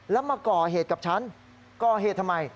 แล้วมาก่อเหตุกับฉันก่อเหตุทำไม